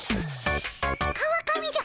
川上じゃ。